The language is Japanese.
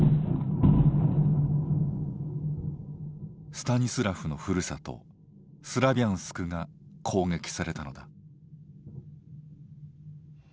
スタニスラフのふるさとスラビャンスクが攻撃されたのだ。